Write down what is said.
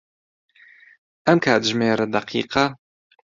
ئەم کاتژمێرە دەقیقە.